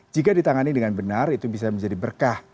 jika ditangani dengan benar itu bisa menjadi berkah